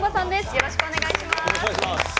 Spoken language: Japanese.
よろしくお願いします。